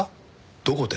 どこで？